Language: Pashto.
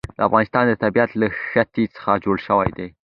د افغانستان طبیعت له ښتې څخه جوړ شوی دی.